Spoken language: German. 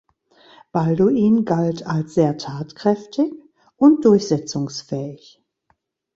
Balduin galt als sehr tatkräftig und durchsetzungsfähig.